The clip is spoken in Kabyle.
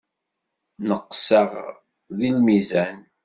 Neqseɣ deg lmizan.